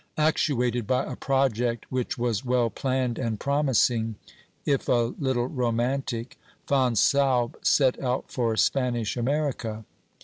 Actuated by a project which was well planned and promising, if a little romantic, Fonsalbe set out for Spanish America.